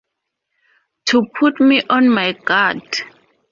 to put me on my guard?